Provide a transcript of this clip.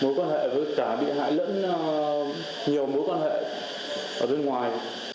mối quan hệ với cả bị hại lẫn nhiều mối quan hệ ở bên ngoài